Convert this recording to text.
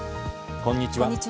こんにちは。